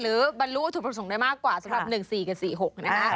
บรรลุถูกประสงค์ได้มากกว่าสำหรับ๑๔กับ๔๖นะฮะ